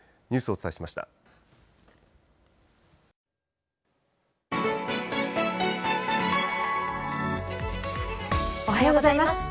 おはようございます。